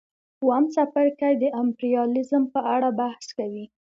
اووم څپرکی د امپریالیزم په اړه بحث کوي